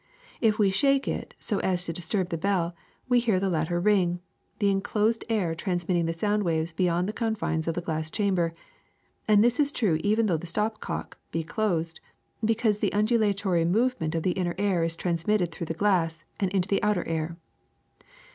If we shake it so as to disturb the bell, we hear the latter ring, the en closed air transmitting the sound waves beyond the confines of the glass chamber; and this is true even though the stop cock be closed, because the undula tory movement of the inner air is transmitted through the glass and into the outer air.